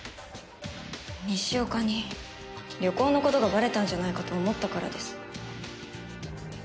西岡に旅行の事がばれたんじゃないかと思ったからです。